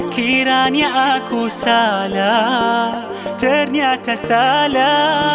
kiranya aku salah ternyata salah